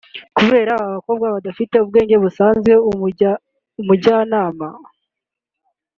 Kubera aba bakobwa bafite ubwenge budasanzwe umujyanama